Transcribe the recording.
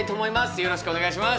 よろしくお願いします。